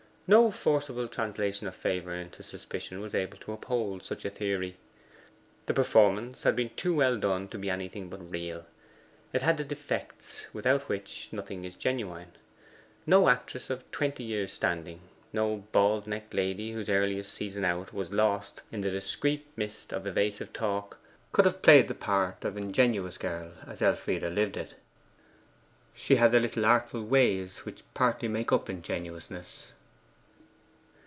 No forcible translation of favour into suspicion was able to uphold such a theory. The performance had been too well done to be anything but real. It had the defects without which nothing is genuine. No actress of twenty years' standing, no bald necked lady whose earliest season 'out' was lost in the discreet mist of evasive talk, could have played before him the part of ingenuous girl as Elfride lived it. She had the little artful ways which partly make up ingenuousness.